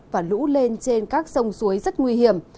và lũ lên trên các sông suối rất nguy hiểm